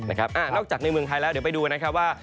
นอกจากในเมืองไทยแล้วเดี๋ยวไปดูนะครับว่า